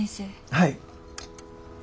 はい。